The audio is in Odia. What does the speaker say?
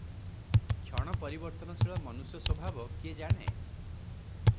କ୍ଷଣ ପରିବର୍ତ୍ତନଶୀଳ ମନୁଷ୍ୟ ସ୍ୱଭାବ କିଏ ଜାଣେ?